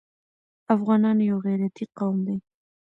افغانان يو غيرتي قوم دی.